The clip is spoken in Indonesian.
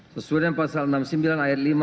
sesuai dengan pasal enam puluh sembilan ayat lima